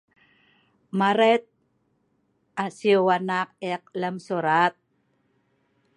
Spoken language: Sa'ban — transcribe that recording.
Maret siu anak ek lem surat